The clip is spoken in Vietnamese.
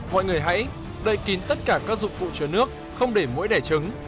mọi người hãy đầy kín tất cả các dụng cụ chứa nước không để mũi đẻ trứng